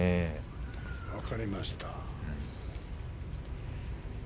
分かりました。